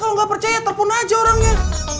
kalau nggak percaya telepon aja orangnya